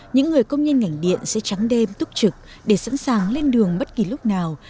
những người công nhân ngành điện sẽ trắng đêm túc trực để sẵn sàng lên đường bất kỳ lúc nào